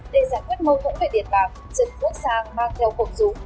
để giải quyết mâu thỗ về điện bạc trần quốc sang mang theo cổng rũ